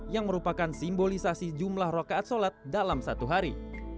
yang merupakan simbolisasi jumlah rokaat sholat dalam satu hari